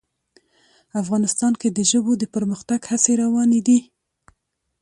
افغانستان کې د ژبو د پرمختګ هڅې روانې دي.